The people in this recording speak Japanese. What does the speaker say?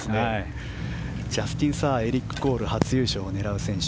ジャスティン・サーエリック・コール初優勝を狙う選手